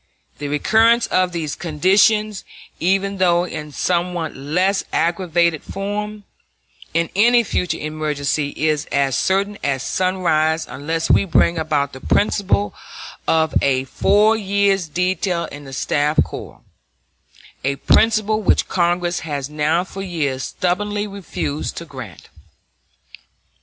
The recurrence of these conditions, even though in somewhat less aggravated form, in any future emergency is as certain as sunrise unless we bring about the principle of a four years' detail in the staff corps a principle which Congress has now for years stubbornly refused to grant.